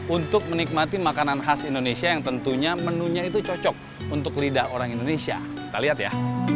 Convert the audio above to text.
untuk menikmati makanan khas indonesia yang tentunya menunya itu cocok untuk lidah orang indonesia kita lihat ya